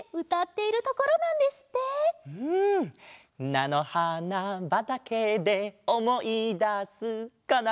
「なのはなばたけでおもいだす」かな？